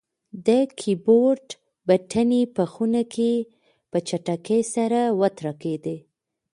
د کیبورډ بټنې په خونه کې په چټکۍ سره وتړکېدې.